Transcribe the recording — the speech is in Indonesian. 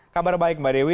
kabar baik mbak dewi